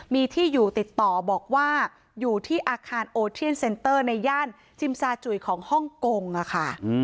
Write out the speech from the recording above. มีที่อยู่ติดต่อบอกว่าอยู่ที่อาคารโอเทียนเซ็นเตอร์ในย่านจิมซาจุยของฮ่องกงค่ะ